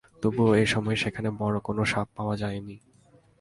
তবে এ সময় সেখানে বড় কোনো সাপ পাওয়া যায়নি।